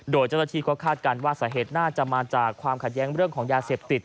โดยเจ้าหน้าที่ก็คาดการณ์ว่าสาเหตุน่าจะมาจากความขัดแย้งเรื่องของยาเสพติด